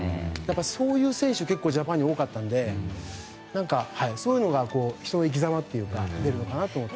そういう選手はジャパンに多かったのでそういうのが人の生きざまというか、出るのかなと。